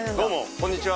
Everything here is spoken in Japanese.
こんにちは。